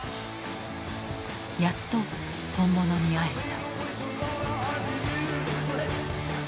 やっと本物に会えた。